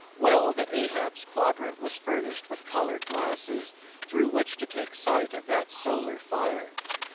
Well that Ahab's quadrant was furnished with coloured glasses, through which to take sight of that solar fire.